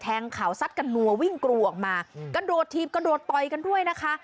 ข่าวซัดกันนัววิ่งกรูออกมากระโดดถีบกระโดดต่อยกันด้วยนะคะ